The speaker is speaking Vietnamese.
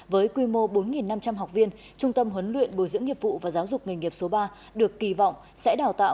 với quy mô bốn năm trăm linh học viên trung tâm huấn luyện bồi dưỡng nghiệp vụ và giáo dục nghề nghiệp số ba được kỳ vọng sẽ đào tạo